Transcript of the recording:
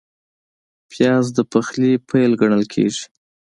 پیاز د پخلي پیل ګڼل کېږي